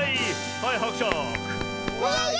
はいはくしゃく。